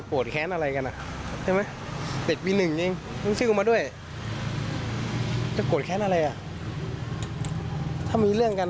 เป็นคนในมอร์นี้ไหมหรือว่าน่าจะมันผมไม่น่าใช่เพราะว่าเหมือนที่ร้าน